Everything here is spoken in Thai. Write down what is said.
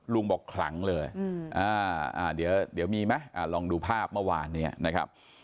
ลุงบอกขลังเลยเดี๋ยวมีไหมลองดูภาพเมื่อวานเนี่ยนะครับ